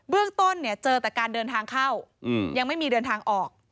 เรื่องต้นเนี่ยเจอแต่การเดินทางเข้ายังไม่มีเดินทางออก